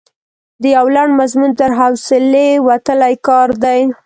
د یو لنډ مضمون تر حوصلې وتلی کار دی.